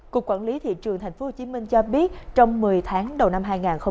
cục quản lý thị trường thành phố hồ chí minh cho biết trong một mươi tháng đầu năm hai nghìn hai mươi ba